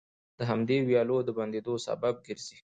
د همدې ويالو د بندېدو سبب ګرځي،